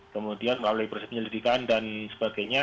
kemudian melalui proses penyelidikan dan sebagainya